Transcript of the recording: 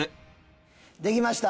できました。